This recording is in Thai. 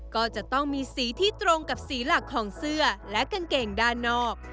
ก็จะต้องมีสีที่ตรงกับสีหลักของเสื้อและกางเกงด้านนอก